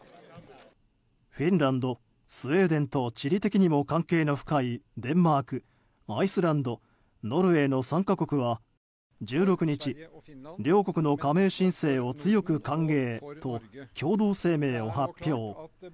フィンランド、スウェーデンと地理的にも関係の深いデンマーク、アイスランドノルウェーの３か国は１６日、両国の加盟申請を強く歓迎と共同声明を発表。